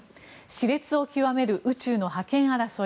熾烈を極める宇宙の覇権争い。